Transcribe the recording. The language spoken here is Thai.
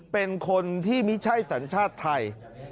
เป็นคนที่ไม่ใช่สัญชาติไทย